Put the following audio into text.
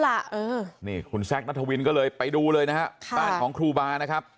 ล่ะนี่คุณแซกนาธวินก็เลยไปดูเลยนะฮะของครูบานะครับใน